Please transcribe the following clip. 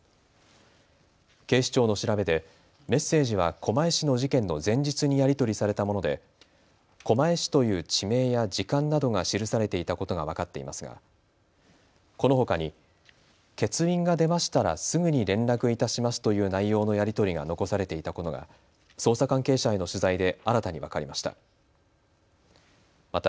警視庁の調べでメッセージは狛江市の事件の前日にやり取りされたもので狛江市という地名や時間などが記されていたことが分かっていますがこのほかに、欠員が出ましたらすぐに連絡いたしますという内容のやり取りが残されていたことが捜査関係者への取材で新たに分かりました。